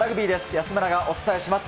安村がお伝えします。